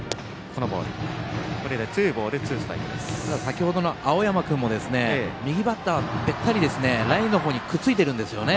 先程の青山君も右バッターは、べったりラインの方にくっついているんですよね。